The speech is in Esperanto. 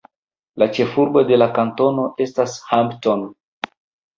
La ĉefurbo de la kantono estas Hampton.